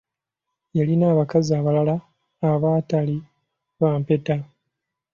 Yalina abakazi abalala abataali ba mpeta!